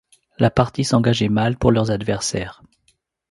La partie s’engageait mal pour leurs adversaires.